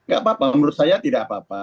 gak apa apa menurut saya tidak apa apa